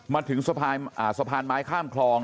มาถึงสะพานไม้ข้ามคลอง